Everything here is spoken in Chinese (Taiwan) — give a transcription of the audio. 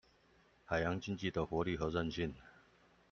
海洋經濟的活力和靭性